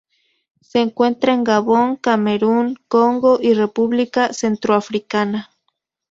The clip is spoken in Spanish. Se encuentra en Gabón, Camerún, Congo y República Centroafricana.